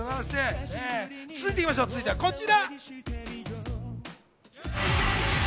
続いてはこちら。